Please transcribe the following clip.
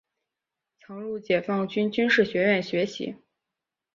曾入解放军军事学院学习。